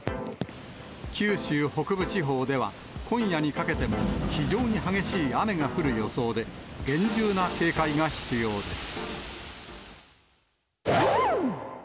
九州北部地方では、今夜にかけても非常に激しい雨が降る予想で、厳重な警戒が必要です。